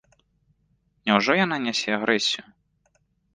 Няўжо яна нясе агрэсію?